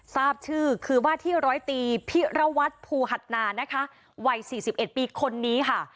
ทราบชื่อคือว่าที่ร้อยตีพิรวัตรภูหัดนานะคะวัย๔๑ปีคนนี้ค่ะ